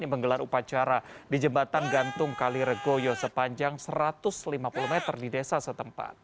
yang menggelar upacara di jembatan gantung kaliregoyo sepanjang satu ratus lima puluh meter di desa setempat